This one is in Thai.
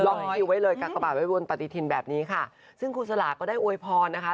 คิวไว้เลยกากระบาดไว้บนปฏิทินแบบนี้ค่ะซึ่งครูสลาก็ได้อวยพรนะคะ